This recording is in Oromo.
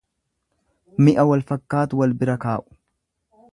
Mi'a wal fakkatu wal bira kaa'u.